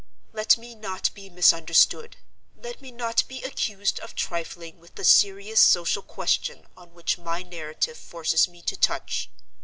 "Let me not be misunderstood; let me not be accused of trifling with the serious social question on which my narrative forces me to touch.